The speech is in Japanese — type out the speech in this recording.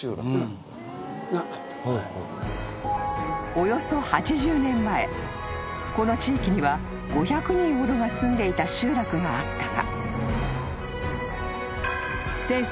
［およそ８０年前この地域には５００人ほどが住んでいた集落があったが］